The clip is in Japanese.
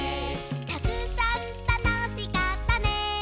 「たくさんたのしかったね」